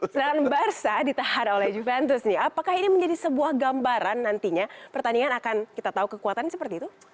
sedangkan barca ditahan oleh juventus nih apakah ini menjadi sebuah gambaran nantinya pertandingan akan kita tahu kekuatannya seperti itu